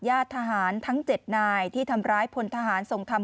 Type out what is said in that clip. ยาทหารทั้ง๗นายที่ทำร้ายพลทหารสงสัย